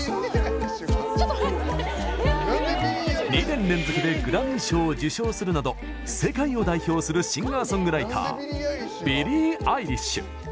２年連続でグラミー賞を受賞するなど世界を代表するシンガーソングライタービリー・アイリッシュ。